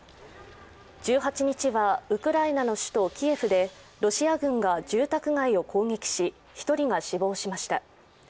１８日はウクライナの首都キエフでロシア軍が住宅街を攻撃し１人が死亡しました。